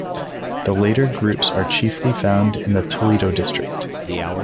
The later groups are chiefly found in the Toledo District.